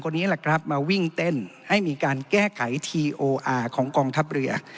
นี่แหละครับมาวิ่งเต้นให้มีการแก้ไขทีโออาร์ของกองทัพเรือ